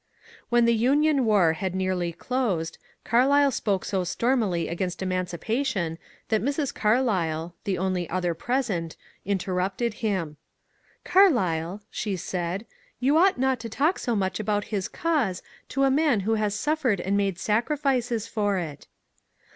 When the Union war had nearly closed, Carlyle spoke so stormily against emancipation that Mrs. Carlyle — the only other present — interrupted him. ^^ Carlyle," she said, ^^ you ought not to talk so much about his cause to a man who has suffered and made sacrifices for it."